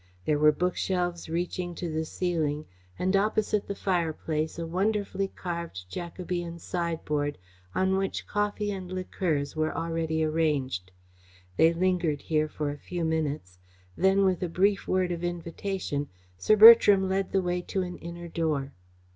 There were bookshelves reaching to the ceiling, and opposite the fireplace a wonderfully carved Jacobean sideboard on which coffee and liqueurs were already arranged. They lingered here for a few minutes. Then, with a brief word of invitation, Sir Bertram led the way to an inner door.